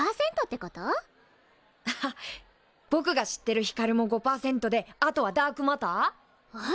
ハハッぼくが知ってるひかるも５％であとはダークマター？